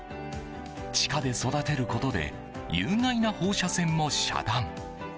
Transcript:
地下で育てることで有害な放射線も遮断。